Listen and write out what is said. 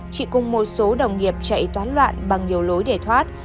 chị cùng một số đồng nghiệp chạy toán loạn bằng nhiều lối để thoát